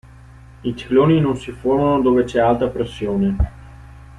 I cicloni non si formano dove c'è alta pressione.